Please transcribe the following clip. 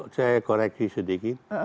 saya koreksi sedikit